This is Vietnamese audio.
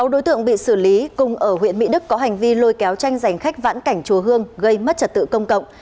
sáu đối tượng bị xử lý cùng ở huyện mỹ đức có hành vi lôi kéo tranh giành khách vãn cảnh chùa hương gây mất trật tự công cộng